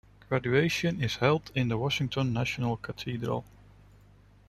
Graduation is held in the Washington National Cathedral.